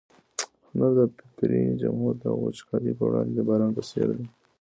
هنر د فکري جمود او وچکالۍ پر وړاندې د باران په څېر دی.